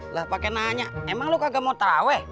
lah pake nanya emang lo kagak mau terawih